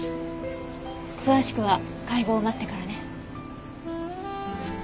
詳しくは解剖を待ってからね。